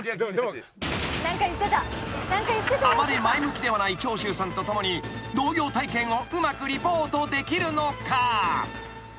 ［あまり前向きではない長州さんと共に農業体験をうまくリポートできるのか？］